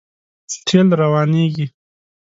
تېل روانېږي.